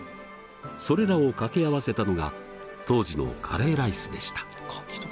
それらを掛け合わせたのが当時のカレーライスでした。